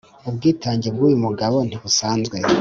ubwitange bw’ uyu mugabo ntibusanzwe